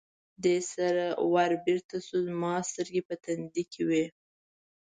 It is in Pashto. دې سره ور بېرته شو، زما سترګې په تندي کې وې.